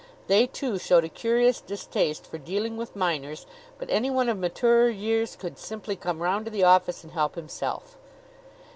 They, too, showed a curious distaste for dealing with minors; but anyone of maturer years could simply come round to the office and help himself.